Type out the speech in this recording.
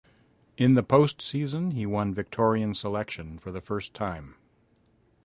In the post season, he won Victorian selection for the first time.